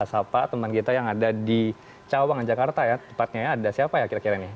pasal pak teman kita yang ada di cawang jakarta ya tepatnya ada siapa ya kira kira ini